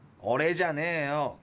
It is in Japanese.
オレじゃねえよ。